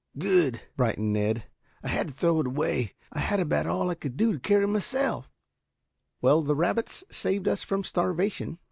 "Good," brightened Ned. "I had to throw it away. I had about all I could do to carry myself." "Well, the rabbits saved us from starvation."